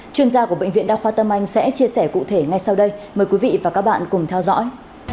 chuyên gia của bệnh viện đa khoa tâm anh sẽ chia sẻ cụ thể ngay sau đây mời quý vị và các bạn cùng theo dõi